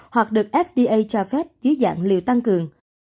hoặc được fda cho phép dưới dạng liều tăng cường